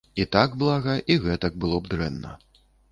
І так блага, і гэтак было б дрэнна.